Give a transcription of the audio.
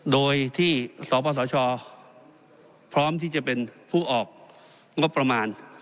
โดยที่สปสชพร้อมที่จะเป็นผู้ออกงบประมาณ